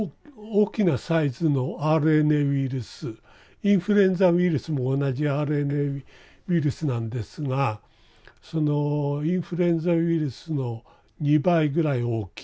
インフルエンザウイルスも同じＲＮＡウイルスなんですがそのインフルエンザウイルスの２倍ぐらい大きい。